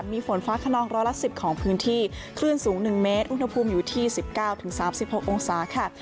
มีฝนฟ้าขนองร้อยละ๑๐ของพื้นที่คลื่นสูง๑เมตรอุณหภูมิอยู่ที่๑๙๓๖องศาค่ะ